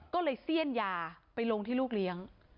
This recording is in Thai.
ก็เลยเสี้ยนยาไปลงที่ลูกเลี้ยง